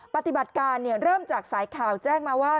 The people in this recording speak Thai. ปฏิบัติการเริ่มจากสายข่าวแจ้งมาว่า